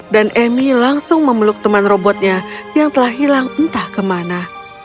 dan amy langsung memeluk teman robotnya yang telah hilang entah ke mana